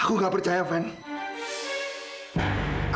aku nggak percaya fadil